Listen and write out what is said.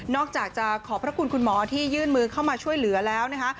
อกจากจะขอบพระคุณคุณหมอที่ยื่นมือเข้ามาช่วยเหลือแล้วนะคะ